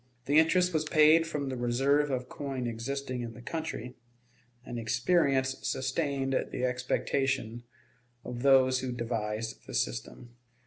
The interest was paid from the reserve of coin existing in the country, and experience sustained the expectations of those who devised the system.